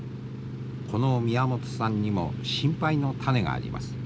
この宮本さんにも心配の種があります。